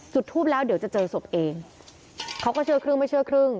จุดทูปแล้วเดี๋ยวจะเจอศพเองเขาก็เชื่อครึ่งไม่เชื่อครึ่ง